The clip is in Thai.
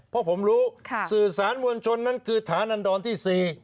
เพราะผมรู้สื่อสารมวลชนนั้นคือฐานันดรที่๔